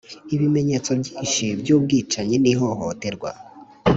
ibimenyetso byinshi by'ubwicanyi n'ihohoterwa